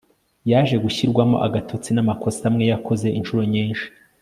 yaje gushyirwamo agatotsi namakosa amwe yakoze incuro nyinshi